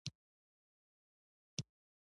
سپي زغم زده کولی شي.